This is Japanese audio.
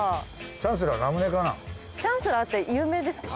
チャンスラーって有名ですか？